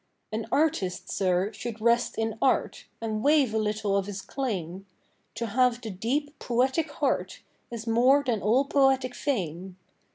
An artist, Sir, should rest in art, And wave a little of his claim; To have the deep poetic heart Is more than all poetic fame.